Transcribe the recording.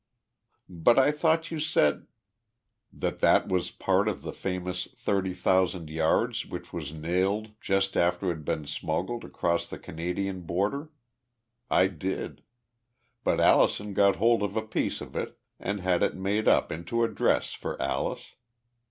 "But I thought you said " "That that was part of the famous thirty thousand yards which was nailed just after it had been smuggled across the Canadian border? I did. But Allison got hold of a piece of it and had it made up into a dress for Alice.